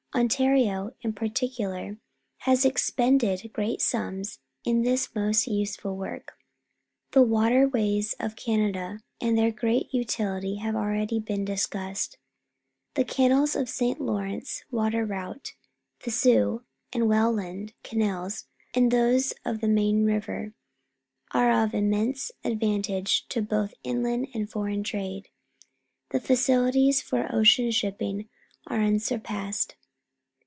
Ontario, in particular, has expended great .simis in this most useful work. The waterways of Canada and their great utility have already been discussed. The canals of the St. Lawrence water route — the Soo and Welland canals and those of the main river — are of immense advantage to both inland and foreign trade. The facilities for ocean shipping are unsurpassed.